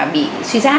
bị suy giáp